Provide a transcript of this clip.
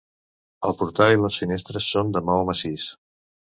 El portal i les finestres són de maó massís.